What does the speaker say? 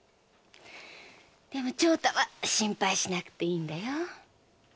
でも長太は心配しなくていいんだよ。